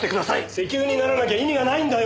石油にならなきゃ意味がないんだよ！